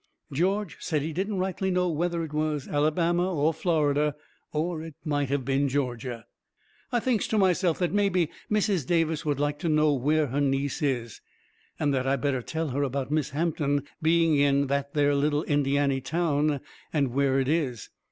George said he didn't rightly know whether it was Alabama or Florida. Or it might of been Georgia. I thinks to myself that mebby Mrs. Davis would like to know where her niece is, and that I better tell her about Miss Hampton being in that there little Indiany town, and where it is.